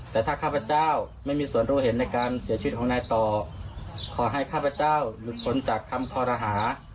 แต่ถ้าข้าพเจ้าไม่มีส่วนรู้เห็นในการเสียชีวิตของนายต่อขอให้ข้าพเจ้าหลุดพ้นจากคำคอรหา